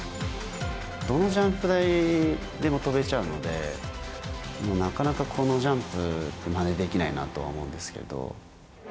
どのジャンプ台でも飛べちゃうので、なかなかこのジャンプ、まねできないなとは思うんですけど。